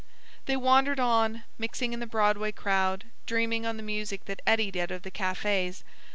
They wandered on, mixing in the Broadway crowd, dreaming on the music that eddied out of the cafes.